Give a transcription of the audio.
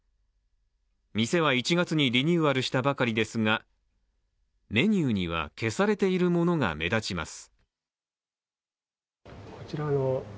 店は１月にリニューアルしたばかりですがメニューには消されているものが目立ちます。